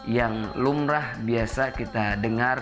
yang lumrah biasa kita dengar